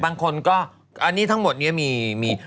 บางคนก็อันนี้ทั้งหมดนี้มี